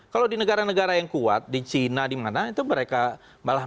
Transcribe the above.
kalau di negara negara yang kuat di china di mana itu mereka malah